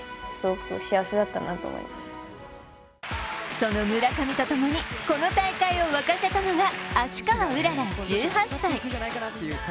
その村上とともにこの大会をわかせたのが芦川うらら１８歳。